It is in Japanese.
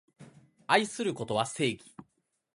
愛することは正義